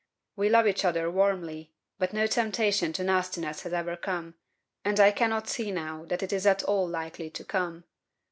We love each other warmly, but no temptation to nastiness has ever come, and I cannot see now that it is at all likely to come.